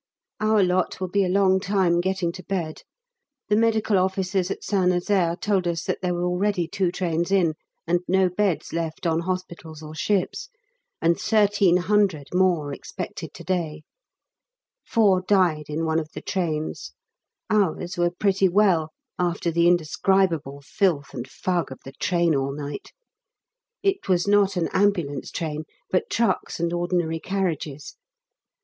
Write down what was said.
Our lot will be a long time getting to bed; the Medical Officers at St N. told us there were already two trains in, and no beds left on hospitals or ships, and 1300 more expected to day; four died in one of the trains; ours were pretty well, after the indescribable filth and fug of the train all night; it was not an ambulance train, but trucks and ordinary carriages.